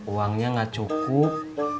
uangnya gak cukup